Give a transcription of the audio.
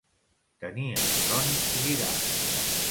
Tenir el son girat.